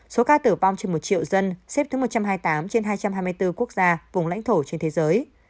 số ca tử vong trên một triệu dân xếp thứ một trăm hai mươi tám trên hai trăm hai mươi bốn quốc gia vùng lãnh thổ trên thế giới